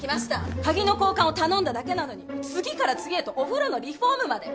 鍵の交換を頼んだだけなのに次から次へとお風呂のリフォームまで？